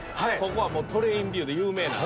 ここはトレインビューで有名な。